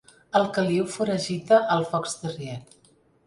El caliu foragita el fox terrier.